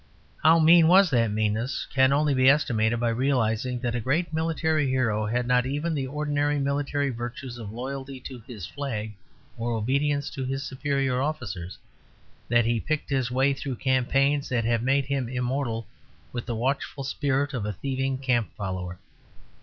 How mean was that meanness can only be estimated by realizing that a great military hero had not even the ordinary military virtues of loyalty to his flag or obedience to his superior officers, that he picked his way through campaigns that have made him immortal with the watchful spirit of a thieving camp follower.